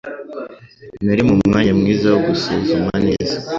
Nari mumwanya mwiza wo gusuzuma neza